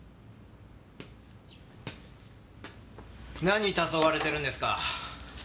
何黄昏れてるんですか？